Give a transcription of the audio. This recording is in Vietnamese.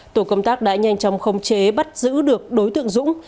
tổ công tác đã nhanh chóng khống chế bắt giữ được đối tượng dũng